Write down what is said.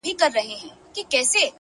پوهه د شکونو پر ځای رڼا راولي!